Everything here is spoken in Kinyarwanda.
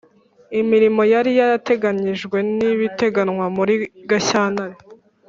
Imirimo yari yateganyijwe n ibiteganywa muri Gashyantare